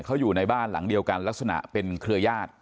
เขาอยู่ในบ้านหลังเดียวกันลักษณะเป็นเครือญาติ